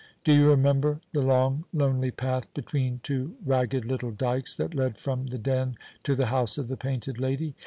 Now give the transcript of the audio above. Do you remember the long, lonely path between two ragged little dykes that led from the Den to the house of the Painted Lady?